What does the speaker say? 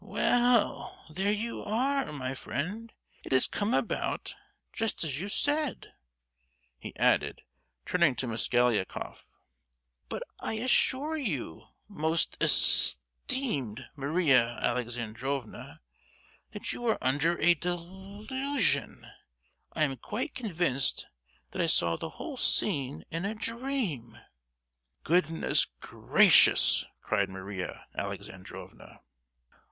"Well, there you are, my friend; it has come about just as you said," he added, turning to Mosgliakoff. "But I assure you, most es—teemed Maria Alexandrovna, that you are under a del—usion. I am quite convinced that I saw the whole scene in a dream!" "Goodness gracious!" cried Maria Alexandrovna.